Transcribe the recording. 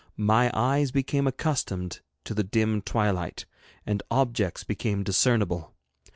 My eyes became accustomed to the dim twilight, and objects became discernible.